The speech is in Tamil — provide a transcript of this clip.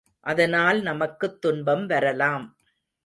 அதனால் நமக்குத் துன்பம் வரலாம்.